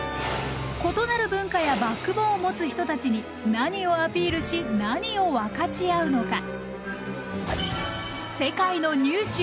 異なる文化やバックボーンを持つ人たちに何をアピールし何を分かち合うのか。